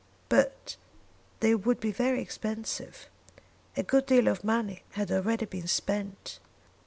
But they would be very expensive. A good deal of money had already been spent.